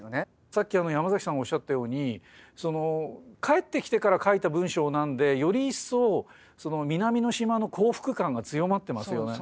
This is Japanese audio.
さっきヤマザキさんおっしゃったように帰ってきてから書いた文章なんでより一層南の島の幸福感が強まってますよね。